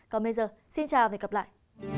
còn bây giờ xin chào và hẹn gặp lại